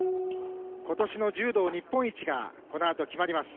今年の柔道日本一がこのあと決まります。